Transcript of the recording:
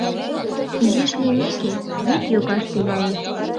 Изиш лиймеке, вӱд йогаш тӱҥалеш.